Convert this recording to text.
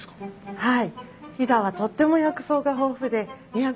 はい。